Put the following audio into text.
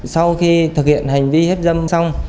sau khi thực hiện hành vi hiếp dâm xong